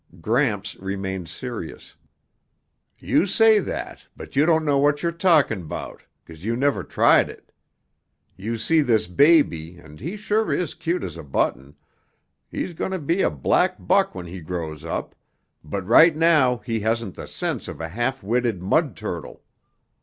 Gramps remained serious. "You say that, but you don't know what you're talking 'bout 'cause you never tried it. You see this baby and he sure is cute as a button he's going to be a black buck when he grows up but right now he hasn't the sense of a half witted mud turtle.